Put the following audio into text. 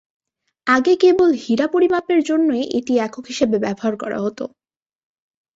আগে কেবল হীরা পরিমাপের জন্যই এটি একক হিসেবে ব্যবহার করা হতো।